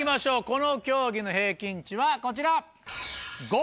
この競技の平均値はこちら。